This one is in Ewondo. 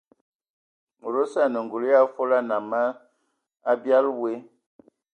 Mod osə anə ngul ya fol nnam abiali woe.